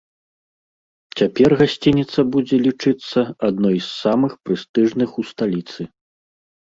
Цяпер гасцініца будзе лічыцца адной з самых прэстыжных у сталіцы.